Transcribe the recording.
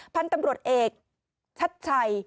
พ่อนตำรวจเอกชัดใจ